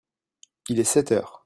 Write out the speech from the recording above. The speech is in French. Il est sept heures.